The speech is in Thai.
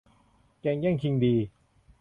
แก่งแย่งชิงดี